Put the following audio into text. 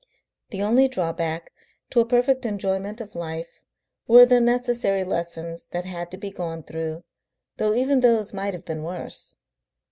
The only drawback to a perfect enjoyment of life were the necessary lessons that had to be gone through, though even these might have been worse.